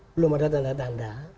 belum ada tanda tanda